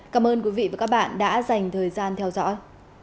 cảm ơn quý vị và các bạn đã dành thời gian theo dõi